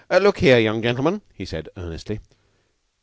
"Look 'ere, young gentlemen," he said, earnestly.